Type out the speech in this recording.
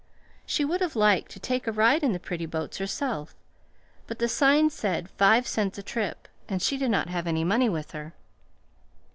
She would have liked to take a ride in the pretty boats, herself, but the sign said "Five cents" a trip, and she did not have any money with her.